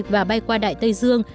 và bay qua đại tây dương